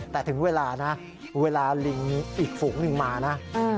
แต่ถึงเวลานะเวลาลิงอีกฝูงหนึ่งมานะ